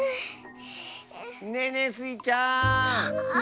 ねえねえスイちゃん！